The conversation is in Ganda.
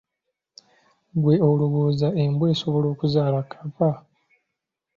Gwe olowooza embwa esobola okuzaala kapa?